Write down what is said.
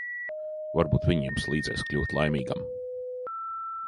Varbūt viņa jums līdzēs kļūt laimīgam.